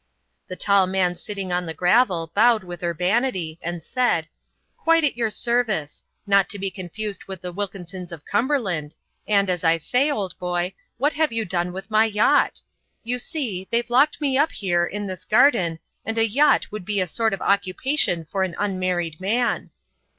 The tall man sitting on the gravel bowed with urbanity, and said: "Quite at your service. Not to be confused with the Wilkinsons of Cumberland; and as I say, old boy, what have you done with my yacht? You see, they've locked me up here in this garden and a yacht would be a sort of occupation for an unmarried man."